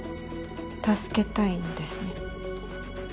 助けたいのですね。